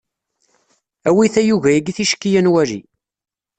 Awi tayuga yagi ticki anwali.